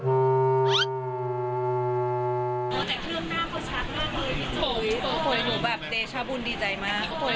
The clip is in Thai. แต่เครื่องหน้าเขาชักมากเลย